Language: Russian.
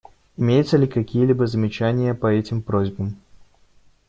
Имеются ли какие-либо замечания по этим просьбам?